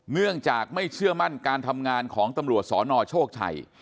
เนื่องจากไม่เชื่อมั่นการทำงานของตำรวจสนโชคชัย